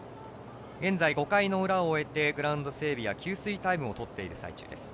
現在、５回の裏を終えてグラウンド整備や給水タイムをとっている最中です。